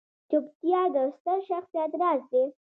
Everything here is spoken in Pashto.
چوپتیا، د ستر شخصیت راز دی.